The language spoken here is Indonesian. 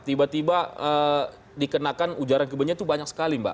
tiba tiba dikenakan ujaran kebencian itu banyak sekali mbak